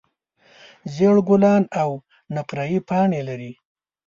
زېړ ګلان او نقریي پاڼې لري.